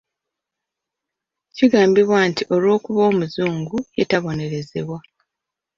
Kigambibwa nti olw’okuba omuzungu, ye tabonerezebwa.